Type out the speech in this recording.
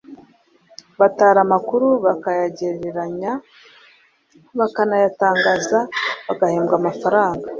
batara amakuru bakayegeranya, bakanayatangaza bagahembwa amafaranga.